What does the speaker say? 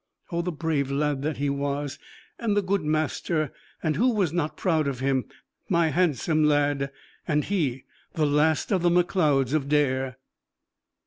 Oh, the brave lad that he was! and the good master! And who was not proud of him my handsome lad and he the last of the Macleods of Dare?"